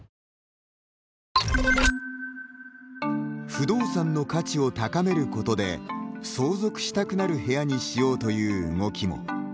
不動産の価値を高めることで相続したくなる部屋にしようという動きも。